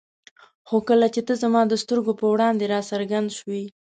خو کله چې ته زما د سترګو په وړاندې را څرګند شوې.